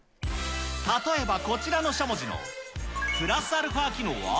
例えばこちらのしゃもじのプラスアルファ機能は？